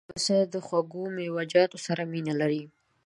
لمسی د خوږو میوهجاتو سره مینه لري.